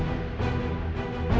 tidak kita harus ke dapur